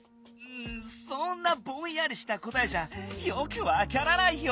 そんなぼんやりしたこたえじゃよくわからないよ！